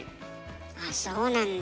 あっそうなんだ。